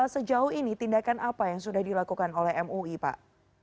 sejauh ini tindakan apa yang sudah dilakukan oleh mui pak